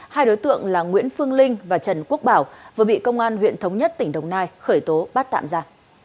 hai đối tượng là nguyễn phương linh và trần quốc bảo vừa bị công an huyện thống nhất tỉnh đồng nai khởi tố bắt tạm ra